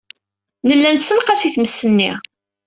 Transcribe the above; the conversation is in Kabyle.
Nella nessenqas-as i tmes-nni.